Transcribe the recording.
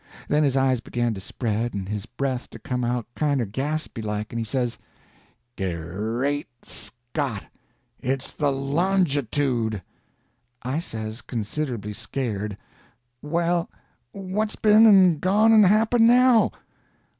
Then his eyes began to spread and his breath to come out kinder gaspy like, and he says: "Ger reat Scott, it's the longitude!" I says, considerably scared: "Well, what's been and gone and happened now?"